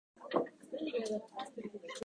本当に素晴らしい出来事だ。